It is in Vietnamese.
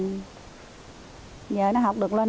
thì giờ nó học được lên